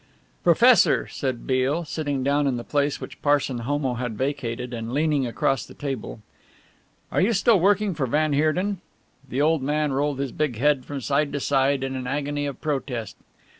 "Professor," said Beale, sitting down in the place which Parson Homo had vacated and leaning across the table, "are you still working for van Heerden?" The old man rolled his big head from side to side in an agony of protest.